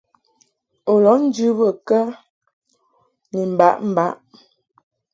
U lɔʼ njɨ bə kə ni mbaʼmbaʼ ?